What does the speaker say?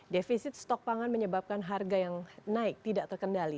defisit stok pangan menyebabkan harga yang naik tidak terkendali